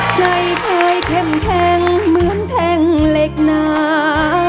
ใจเคยเข้มแข็งเหมือนแท่งเหล็กหนา